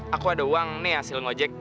aku ada uang nih hasil ngojek